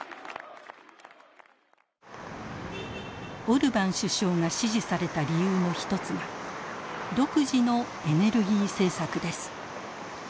オルバン首相が支持された理由の一つが独自のエネルギー政策です。